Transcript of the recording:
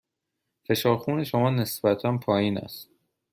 فشار خون شما نسبتاً پایین است.